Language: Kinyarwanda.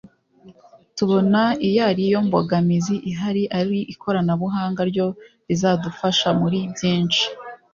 tubona iyo ariyo mbogamizi ihari ari ko ikoranabuhanga ryo rizadufasha muri byinshi